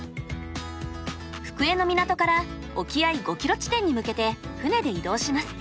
福江の港から沖合５キロ地点に向けて船で移動します。